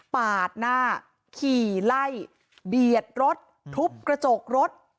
ปาดหน้าขี่ไล่เบียดรถทุบกระจกรถ